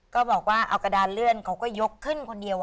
ก็บอกว่าเอากระดานเลื่อนเขาก็ยกขึ้นคนเดียว